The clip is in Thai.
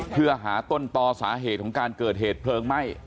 เพื่อหาต้นต่อสาเหตุของการเกิดเหตุเพลิงไหม้